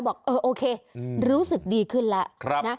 บอกเออโอเครู้สึกดีขึ้นแล้วนะ